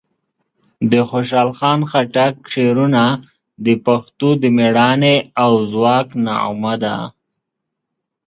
د خوشحال خان خټک شعرونه د پښتنو د مېړانې او ځواک نغمه ده.